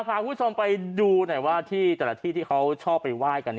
พาคุณผู้ชมไปดูหน่อยว่าที่แต่ละที่ที่เขาชอบไปไหว้กัน